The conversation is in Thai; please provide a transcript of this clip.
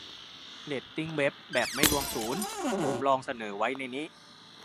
เรตติ้งเว็บ แบบไม่รวมศูนย์ ? ผมลองเสนอไว้ในนี้